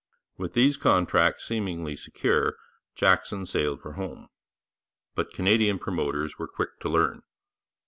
With these contracts seemingly secure, Jackson sailed for home. But Canadian promoters were quick to learn.